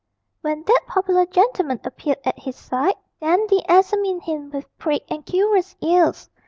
When that popular gentleman appeared at his side Dandy examined him with pricked and curious ears.